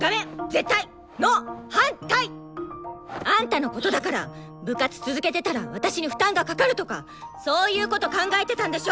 反対！あんたのことだから部活続けてたら私に負担がかかるとかそういうこと考えてたんでしょ！？